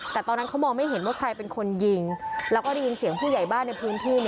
แต่ตอนนั้นเขามองไม่เห็นว่าใครเป็นคนยิงแล้วก็ได้ยินเสียงผู้ใหญ่บ้านในพื้นที่